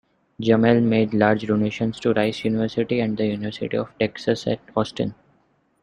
Jamail made large donations to Rice University and The University of Texas at Austin.